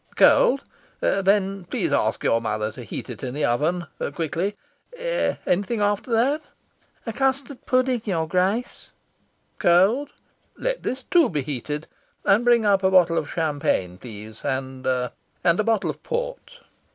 "Cold? Then please ask your mother to heat it in the oven quickly. Anything after that?" "A custard pudding, your Grace." "Cold? Let this, too, be heated. And bring up a bottle of champagne, please; and and a bottle of port."